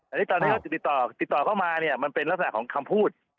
อันนี้ตอนที่เขาติดต่อติดต่อเข้ามาเนี่ยมันเป็นลักษณะของคำพูด